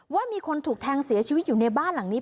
ว่ามีคนถูกแทงเสียชีวิตอยู่ในบ้านหลังนี้